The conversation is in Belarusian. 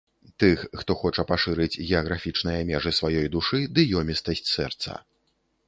Тых, хто хоча пашырыць геаграфічныя межы сваёй душы ды ёмістасць сэрца.